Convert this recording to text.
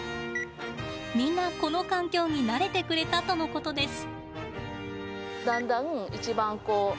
みんなこの環境に慣れてくれたとのことです。